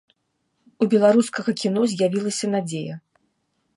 У беларускага кіно з'явілася надзея.